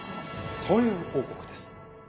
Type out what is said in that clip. そういう王国です。